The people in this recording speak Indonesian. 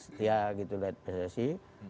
setia gitu lihat pssi